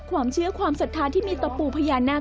ความเชื่อความศรัทธาที่มีต่อปู่พญานาค